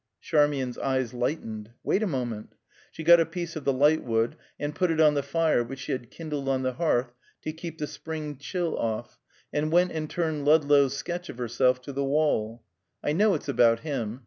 Charmian's eyes lightened. "Wait a moment!" She got a piece of the lightwood, and put it on the fire which she had kindled on the hearth to keep the spring chill off, and went and turned Ludlow's sketch of herself to the wall. "I know it's about him."